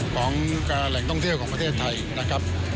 ของแหล่งท่องเที่ยวของประเทศไทยนะครับ